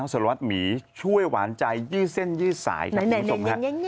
สารวัตรหมีช่วยหวานใจยี่เส้นยืดสายครับคุณผู้ชมครับ